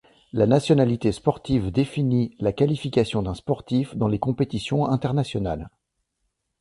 La nationalité sportive définit la qualification d'un sportif dans les compétitions internationales.